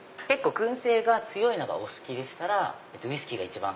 薫製が強いのがお好きでしたらウイスキーが一番。